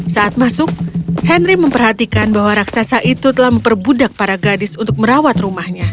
saat masuk henry memperhatikan bahwa raksasa itu telah memperbudak para gadis untuk merawat rumahnya